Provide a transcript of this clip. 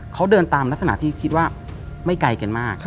เขาเดินตามลักษณะที่คิดว่าไม่ไกลกันมาก